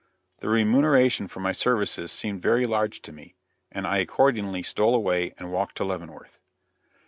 The remuneration for my services seemed very large to me, and I accordingly stole away and walked to Leavenworth.